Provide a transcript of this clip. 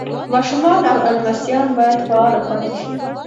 ماشومان او لمسیان باید فعاله پاتې شي.